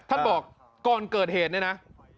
ท่านบอกก่อนเกิดเหตุนะ